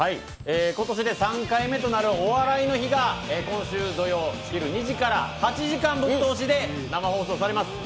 今年で３回目となる「お笑いの日」が今週土曜、昼２時から８時間ぶっ通しで生放送されます。